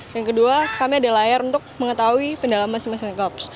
yang kedua kami ada layar untuk mengetahui pendalaman semester klubs